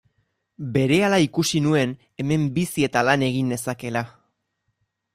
Berehala ikusi nuen hemen bizi eta lan egin nezakeela.